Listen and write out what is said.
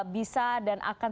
bisa dan akan